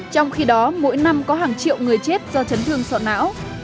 trong khi đó mỗi năm có hàng triệu người chết do chấn thương sọ não